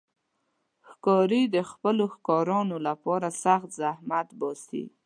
ښکاري د خپلو ښکارونو لپاره سخت زحمت باسي.